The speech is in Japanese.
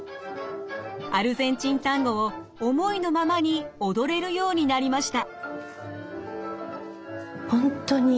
アルゼンチンタンゴを思いのままに踊れるようになりました。